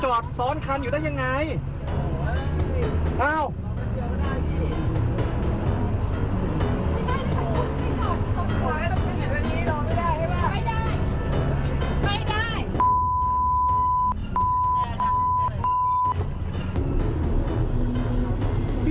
จะต้องรอเวลาเมื่อ๒๓นาที